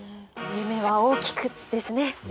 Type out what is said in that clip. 夢は大きくですね。